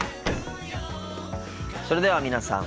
それでは皆さん